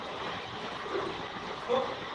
猛隼为隼科隼属的鸟类。